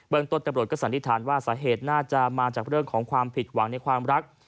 ต้นตำรวจก็สันนิษฐานว่าสาเหตุน่าจะมาจากเรื่องของความผิดหวังในความรัก